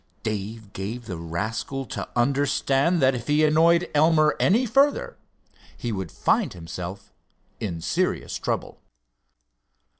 Dave gave the rascal to understand that if he annoyed Elmer any further, he would find himself in serious trouble.